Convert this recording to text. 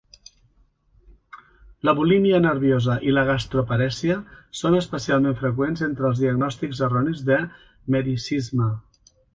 La bulímia nerviosa i la gastroparèsia són especialment freqüents entre els diagnòstics erronis de mericisme.